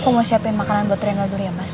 aku mau siapin makanan buat renggal dulu ya mas